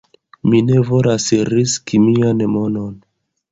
Mi ne volas riski mian monon